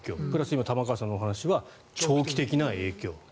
今、玉川さんのお話は長期的な影響。